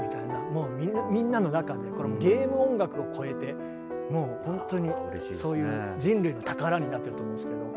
もうみんなの中でこれはもうゲーム音楽をこえてもうほんとにそういう人類の宝になってると思うんですけど。